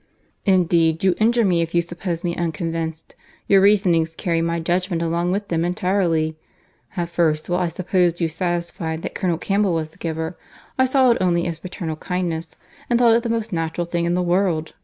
"Indeed you injure me if you suppose me unconvinced. Your reasonings carry my judgment along with them entirely. At first, while I supposed you satisfied that Colonel Campbell was the giver, I saw it only as paternal kindness, and thought it the most natural thing in the world.